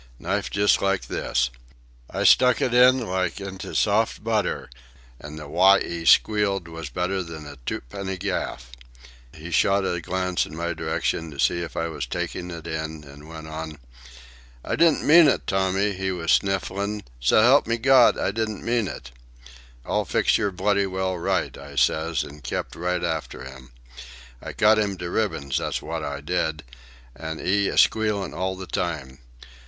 Knife just like this. I stuck it in, like into soft butter, an' the w'y 'e squealed was better'n a tu penny gaff." He shot a glance in my direction to see if I was taking it in, and went on. "'I didn't mean it Tommy,' 'e was snifflin'; 'so 'elp me Gawd, I didn't mean it!' 'I'll fix yer bloody well right,' I sez, an' kept right after 'im. I cut 'im in ribbons, that's wot I did, an' 'e a squealin' all the time.